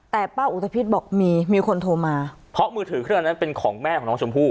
แต่ป้าอุตภิษบอกมีมีคนโทรมาเพราะมือถือเครื่องนั้นเป็นของแม่ของน้องชมพู่